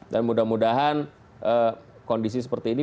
dan mudah mudahan kondisi seperti ini